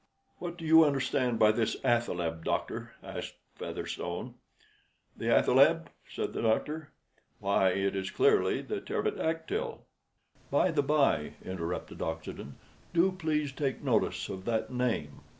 "What do you understand by this athaleb, doctor?" asked Featherstone. "The athaleb?" said the doctor. "Why, it is clearly the pterodactyl." "By the bye," interrupted Oxenden, "do please take notice of that name.